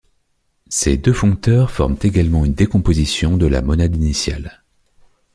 Ces deux foncteurs forment également une décomposition de la monade initiale.